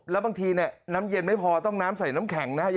แล้วบางทีน้ำเย็นไม่พอต้องน้ำใส่น้ำแข็งนะฮะ